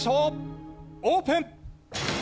オープン！